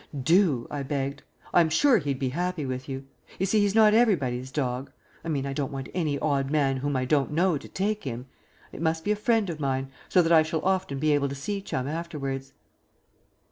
"Do," I begged. "I'm sure he'd be happy with you. You see, he's not everybody's dog; I mean, I don't want any odd man whom I don't know to take him. It must be a friend of mine, so that I shall often be able to see Chum afterwards."